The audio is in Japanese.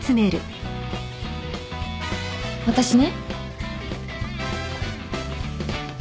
私ね。